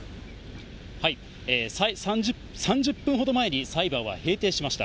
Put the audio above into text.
３０分ほど前に裁判は閉廷しました。